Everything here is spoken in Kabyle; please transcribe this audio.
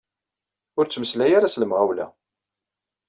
Ur ttmeslay ara s lemɣawla.